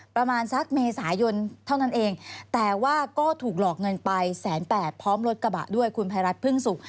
ประมาณสักเมษายนเท่านั้นเองแต่ว่าก็ถูกหลอกเงินไปแสนแปดพร้อมรถกระบะด้วยคุณภัยรัฐพึ่งสุข